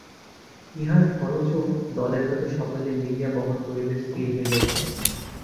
ইহার খরচও দলের লোকে সকলে মিলিয়া বহন করিবে স্থির হইয়া গেল।